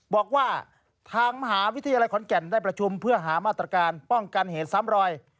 บอกว่าทางมหาวิทยาลัยขอนแก่นได้ประชุมเพื่อหามาตรการป้องกันเหตุซ้ำรอย